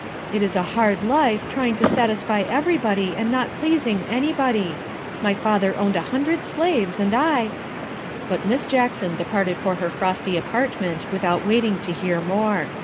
It is a hard life, trying to satisfy everybody and not pleasing anybody. My father owned a hundred slaves and j " But Miss Jackson departed for her frosty apartment without waiting to hear more.